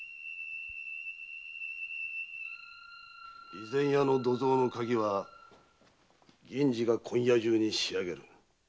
備前屋の土蔵の鍵は銀次が今夜中に仕上げる。